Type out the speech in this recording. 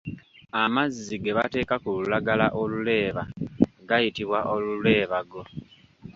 Amazzi ge bateeka ku lulagala oluleeba gayitibwa Oluleebago.